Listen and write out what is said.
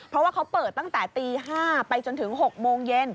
เพราะว่าเขาเปิดตั้งแต่ตี๕ไปจนถึง๖โมงเย็น